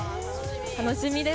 楽しみです。